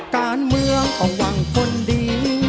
การเมืองของวังคนดี